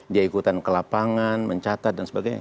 dia ikutan ke lapangan mencatat dan sebagainya